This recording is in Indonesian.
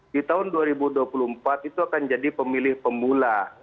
di tahun dua ribu dua puluh empat itu akan jadi pemilih pemula